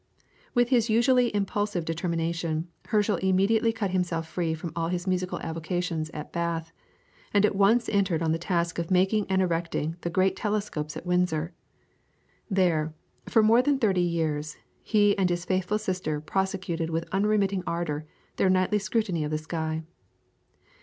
With his usually impulsive determination, Herschel immediately cut himself free from all his musical avocations at Bath, and at once entered on the task of making and erecting the great telescopes at Windsor. There, for more than thirty years, he and his faithful sister prosecuted with unremitting ardour their nightly scrutiny of the sky.